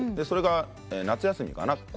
それが夏休みかな？